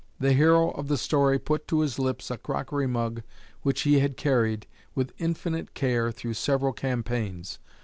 The hero of the story put to his lips a crockery mug which he had carried, with infinite care, through several campaigns.